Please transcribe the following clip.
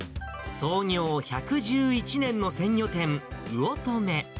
創業１１１年の鮮魚店、魚留。